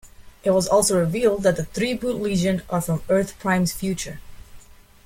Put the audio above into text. It was also revealed that the Threeboot Legion are from Earth-Prime's future.